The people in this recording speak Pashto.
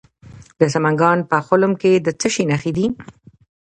د سمنګان په خلم کې د څه شي نښې دي؟